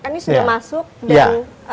ini sudah masuk dan